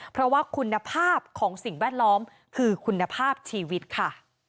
เพราะว่าคุณภาพของสิ่งแวดล้อมคือคุณภาพชีวิตค่ะ